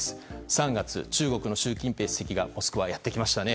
３月、中国の習近平主席がモスクワへやってきましたね。